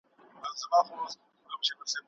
هغه مفاد چې ټاکل سوی و کافي و.